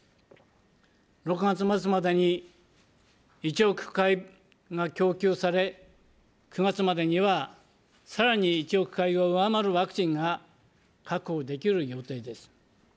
６月末までに１億回が供給され、９月までにはさらに１億回を上回るワクチンが確保できる予定です。